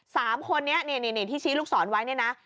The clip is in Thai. สามคนนี้นี่ที่ชี้ลูกศรไว้เนี่ยนะ